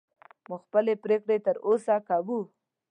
موږ خپلې پرېکړې تر سره کوو.